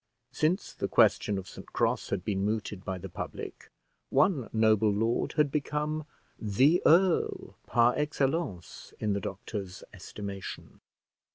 Since the question of St Cross had been mooted by the public, one noble lord had become "the earl," par excellence, in the doctor's estimation.